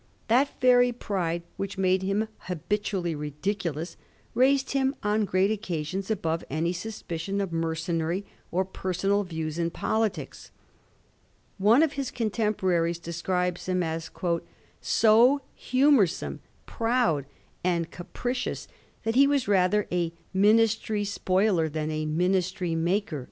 That very pride which made him habitually ridiculous raised him on great occasions above any suspicion of mercenary or personal views in politics. One of his contemporaries describes him as * so humoursome, proud, and capricious, that he was rather a ministry spoiler than a ministry maker.'